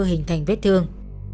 hình thành vết thương